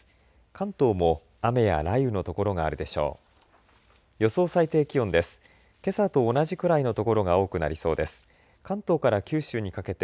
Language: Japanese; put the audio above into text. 関東も雨や雷雨の所があるでしょう。